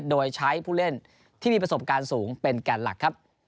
โดยใช้ผู้เล่นที่มีประสบการณ์สูงเป็นแกนหลักครับ